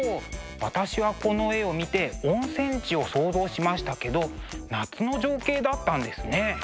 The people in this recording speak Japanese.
私はこの絵を見て温泉地を想像しましたけど夏の情景だったんですね。